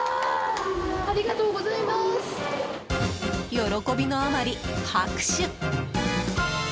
喜びのあまり拍手。